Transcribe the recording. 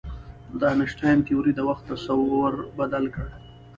د انیشتین تیوري د وخت تصور بدل کړ.